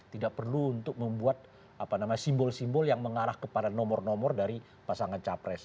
tidak perlu untuk membuat simbol simbol yang mengarah kepada nomor nomor dari pasangan capres